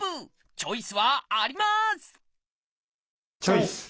チョイス！